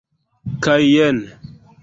Kaj jen.